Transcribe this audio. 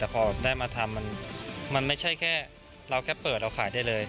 แต่พอได้มาทำมันไม่ใช่แค่เราแค่เปิดเราขายได้เลย